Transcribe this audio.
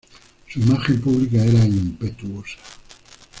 Su imagen pública era impetuosa.